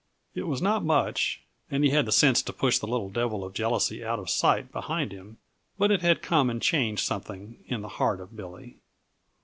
It was not much, and he had the sense to push the little devil of jealousy out of sight behind him, but it had come and changed something in the heart of Billy.